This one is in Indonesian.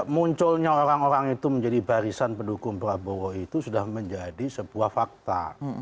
munculnya orang orang itu menjadi barisan pendukung prabowo itu sudah menjadi sebuah fakta